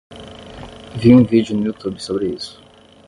Vi um vídeo no YouTube sobre isso